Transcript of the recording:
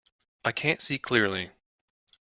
I can't see clearly.